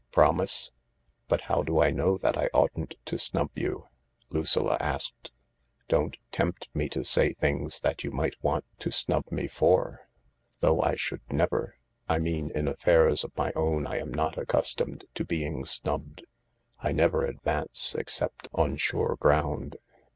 Promise." " But how do I know that I oughtn't to snub you ?" Lucilla asked. " Don't tempt me to say things that you might want to snub me for. Though I should never — I mean in afEairs of my own I am not accustomed to being snubbed. I never advance except on sure ground."